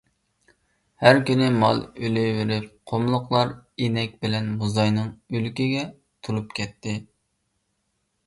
ھەر كۈنى مال ئۆلۈۋېرىپ، قۇملۇقلار ئىنەك بىلەن موزاينىڭ ئۆلۈكىگە تولۇپ كەتتى.